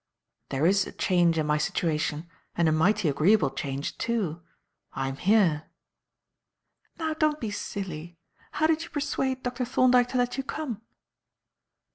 "There's a change in my situation, and a mighty agreeable change, too. I'm here." "Now don't be silly. How did you persuade Dr. Thorndyke to let you come?"